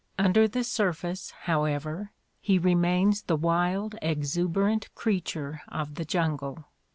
Under the surface, however, he remains the wild, exuberant creature of the jungle.